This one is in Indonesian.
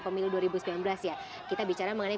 pemilu dua ribu sembilan belas ya kita bicara mengenai